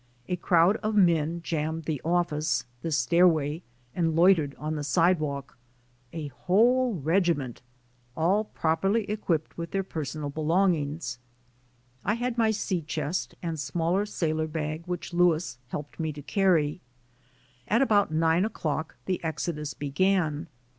A crowd of men jammed the office, the stairway, and loitered on the sidewalk a whole reg iment, all properly equipped with their personal be longings. I had my sea chest and small sailor bag which Louis helped me to carry. At about nine o'clock the exodus began.